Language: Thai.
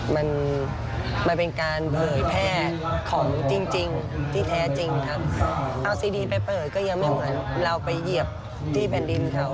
มันมันเป็นการเผยแพร่ของจริงที่แท้จริงครับเอาซีดีนไปเปิดก็ยังไม่เหมือนเราไปเหยียบที่แผ่นดินเขา